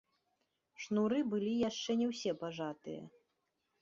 Шнуры былі яшчэ не ўсе пажатыя.